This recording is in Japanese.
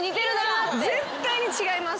絶対に違います。